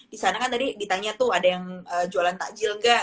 di sana kan tadi ditanya tuh ada yang jualan takjil gak